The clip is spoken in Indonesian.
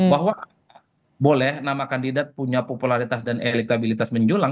bahwa boleh nama kandidat punya popularitas dan elektabilitas menjulang